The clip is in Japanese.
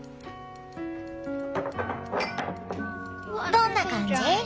どんな感じ？